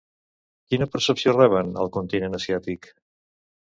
Quina percepció reben al continent asiàtic?